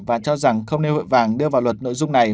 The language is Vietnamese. và cho rằng không nên hội vàng đưa vào luật nội dung này